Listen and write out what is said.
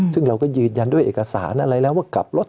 ซึ่งเราก็ยืนยันด้วยเอกสารอะไรแล้วว่ากลับรถ